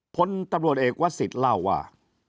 พลตำรวจเอกวัตสิทธิ์เล่าว่า